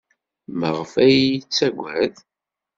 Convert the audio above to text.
Maɣef ay iyi-yettaggad?